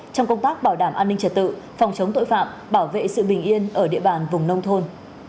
trong công tác bảo đảm an ninh trật tự phòng chống tội phạm bảo vệ sự bình yên ở địa bàn vùng nông thôn